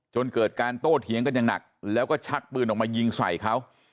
จนเกิดการโต้เถียงกันอย่างหนักแล้วก็ชักปืนออกมายิงใส่เขา